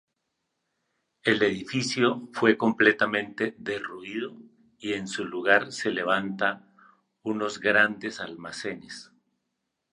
El edificio fue completamente derruido y en su lugar se levanta unos grandes almacenes.